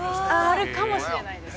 ◆あるかもしれないです。